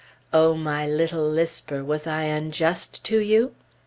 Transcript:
(O my little lisper, was I unjust to you?)